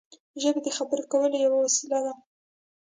ژبه د خبرو کولو یوه وسیله ده.